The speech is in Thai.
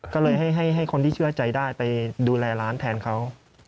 ก็เลยให้คนที่เชื่อใจได้ไปดูแลร้านแทนเขา